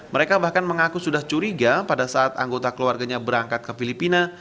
mereka bahkan mengaku sudah curiga pada saat anggota keluarganya berangkat ke filipina